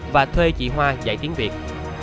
và thuê chị hoa dạy tiếng việt